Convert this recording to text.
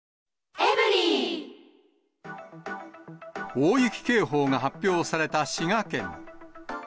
大雪警報が発表された滋賀県。